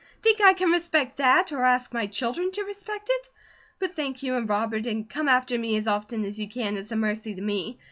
Think I can respect that, or ask my children to respect it? But thank you and Robert, and come after me as often as you can, as a mercy to me.